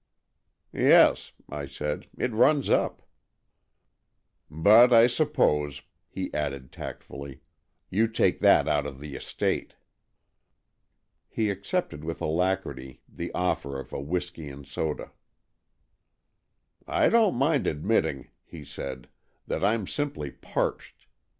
"Yes," I said, "it runs up." AN EXCHANGE OF SOULS 103 " But I suppose/" he added tactfully, '' you take that out of the estate.'" He accepted with alacrity the offer of a whisky and soda. " I don't mind admit ting," he said, " that I'm simply parched.